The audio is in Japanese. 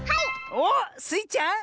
おっスイちゃん。